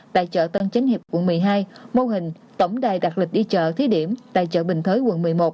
tại chợ tân chính hiệp quận một mươi hai mô hình tổng đài đặt lịch đi chợ thí điểm tại chợ bình thới quận một mươi một